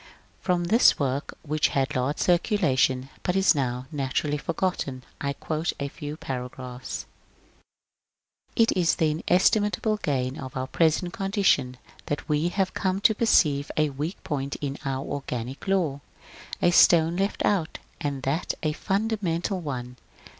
From this work, which had large circulation but is now naturally forgotten, I quote a few paragraphs :— It is the inestimable gain of our present condition, that we have come to perceive a weak point in our organic law, — a stone left out, and that a fundamental one.